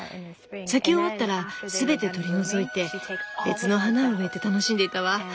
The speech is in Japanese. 咲き終わったら全て取り除いて別の花を植えて楽しんでいたわ。